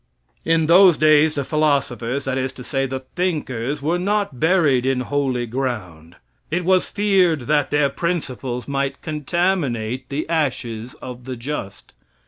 In those days the philosophers that is to say, the thinkers were not buried in holy ground. It was feared that their principles might contaminate the ashes of the just.